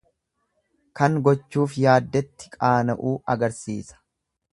Kan gochuuf yaaddetti qaana'uu agarsiisa.